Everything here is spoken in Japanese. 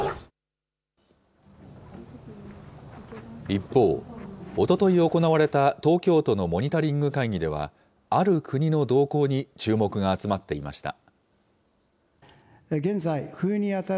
一方、おととい行われた東京都のモニタリング会議では、ある国の動向に注目が集まっていました。